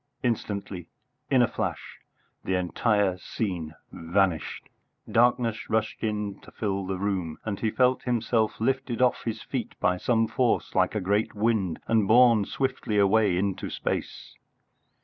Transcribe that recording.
Instantly, in a flash, the entire scene vanished; darkness rushed in to fill the room, and he felt himself lifted off his feet by some force like a great wind and borne swiftly away into space.